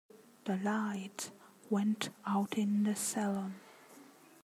The light went out in the salon.